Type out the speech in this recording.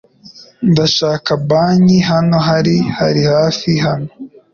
Ndashaka banki .Hano hari hafi hano?